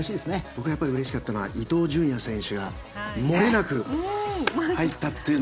僕がやっぱりうれしかったのは伊東純也選手が漏れなく入ったという。